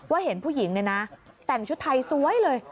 เห็นผู้หญิงเนี่ยนะแต่งชุดไทยสวยเลย